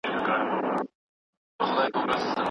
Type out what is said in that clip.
نسلونو ته ځواب ورکوو.